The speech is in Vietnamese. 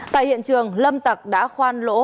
tại hiện trường lâm tạc đã khoan lỗ